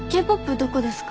どこですか？